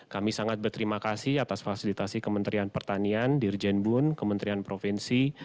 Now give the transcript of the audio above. kami sangat berterima kasih atas fasilitasi kementerian pertanian dirjen bun kementerian provinsi